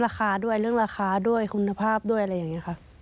ราคาด้วยเรื่องราคาด้วยคุณภาพด้วยอะไรอย่างนี้ค่ะ